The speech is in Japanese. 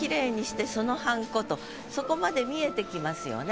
そこまで見えてきますよね。